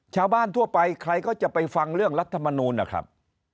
ชาวบ้านทั่วไปใครก็จะไปฟังเรื่องรัฐมนูลนะครับ